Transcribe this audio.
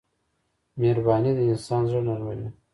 مهرباني د انسان زړه نرموي.